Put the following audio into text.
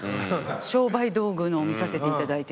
商売道具を見させていただいて。